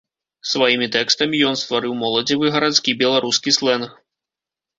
Сваімі тэкстамі ён стварыў моладзевы гарадскі беларускі слэнг.